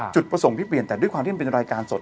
จุดประสงค์ที่เปลี่ยนแต่ด้วยความที่มันเป็นรายการสด